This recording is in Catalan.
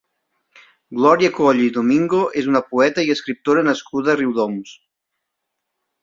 Glòria Coll Domingo és una poeta i escriptora nascuda a Riudoms.